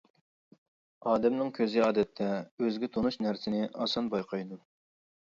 ئادەمنىڭ كۆزى ئادەتتە ئۆزىگە تونۇش نەرسىنى ئاسان بايقايدۇ.